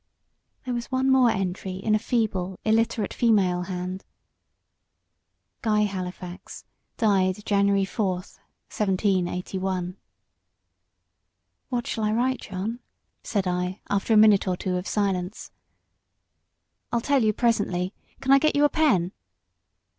There was one more entry, in a feeble, illiterate female hand: "Guy Halifax, died January 4, 1781." "What shall I write, John?" said I, after a minute or so of silence. "I'll tell you presently. Can I get you a pen?"